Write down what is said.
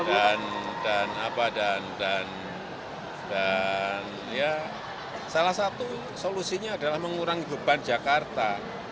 dan dan dan dan dan ya salah satu solusinya adalah mengurangi beban jakarta